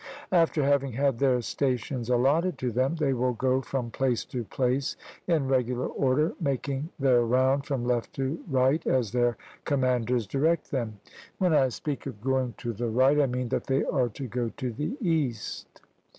After having had their stations allotted to them, they will go from place to place in regular order, making their round from left to right as their commanders direct them; (when I speak of going to the right, I mean that they are to go to the east).